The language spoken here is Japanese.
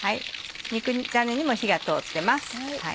肉ダネにも火が通ってます。